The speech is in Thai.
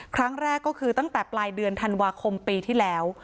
ครั้งแรกก็คือตั้งแต่ปลายเดือนธันวาคมปีที่แล้ว